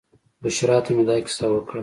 بشرا ته مې دا کیسه وکړه.